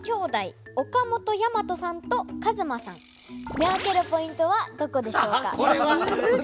見分けるポイントはどこでしょうか？